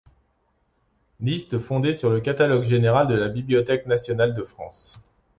Liste fondée sur le Catalogue général de la Bibliothèque nationale de France.